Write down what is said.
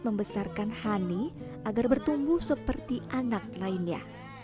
membesarkan hani agar bertumbuh seperti anak lainnya